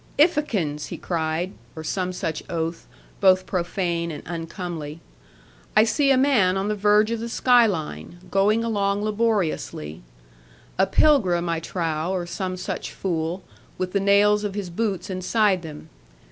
'Ifackins,' he cried, or some such oath, both profane and uncomely, 'I see a man on the verge of the sky line, going along laboriously. A pilgrim, I trow, or some such fool, with the nails of his boots inside them.